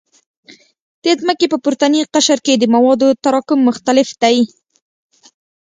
د ځمکې په پورتني قشر کې د موادو تراکم مختلف دی